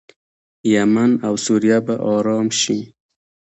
یمن او سوریه به ارام شي.